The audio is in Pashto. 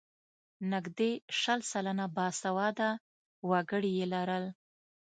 نږدې شل سلنه باسواده وګړي یې لرل.